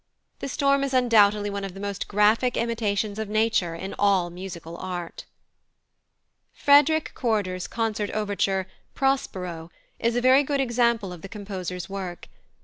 The storm is undoubtedly one of the most graphic imitations of Nature in all musical art. +Frederick Corder's+ Concert Overture "Prospero" is a very good example of the composer's work.